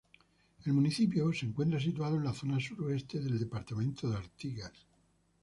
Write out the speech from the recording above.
El municipio se encuentra situado en la zona suroeste del departamento de Artigas.